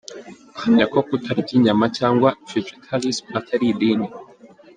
Ahamya ko kutarya inyama cyangwa “Vegetalisme” atari idini.